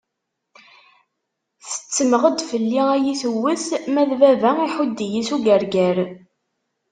Tettemmeɣ-d fell-i ad iyi-tewwet, ma d baba iḥudd-iyi-d s ugerger.